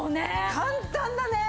簡単だね！